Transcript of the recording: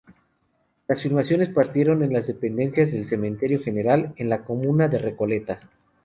Las filmaciones partieron en las dependencias del Cementerio General, en la comuna de Recoleta.